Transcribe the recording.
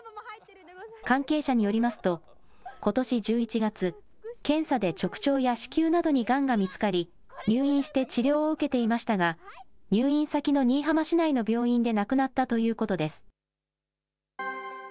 関係者によりますと、ことし１１月、検査で直腸や子宮などにがんが見つかり、入院して治療を受けていましたが、入院先の新居浜市内の病院で亡くなったということです。